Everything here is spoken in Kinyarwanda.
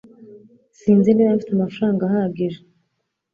Sinzi niba mfite amafaranga ahagije